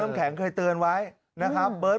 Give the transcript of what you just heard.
มันจะได้